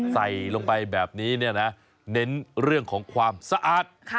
ใส่ลงไปแบบนี้เนี่ยนะเน้นเรื่องของความสะอาด